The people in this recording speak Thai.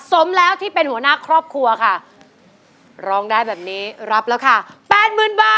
สมแล้วที่เป็นหัวหน้าครอบครัวค่ะร้องได้แบบนี้รับแล้วค่ะแปดหมื่นบาท